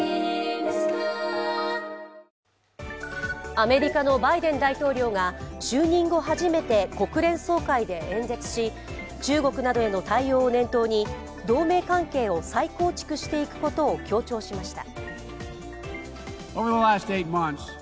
アメリカのバイデン大統領が就任後初めて国連総会で演説し中国などへの対応を念頭に同盟関係を再構築していくことを強調しました。